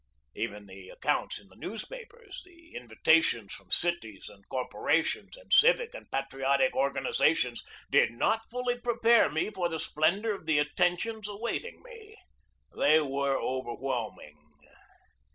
Even the accounts in the newspapers, the invi tations from cities and corporations and civic and patriotic organizations, did not fully prepare me for the splendor of the attentions awaiting me. They were overwhelming.